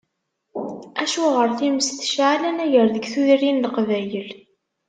Acuɣer times tecεel anagar deg tudrin n Leqbayel?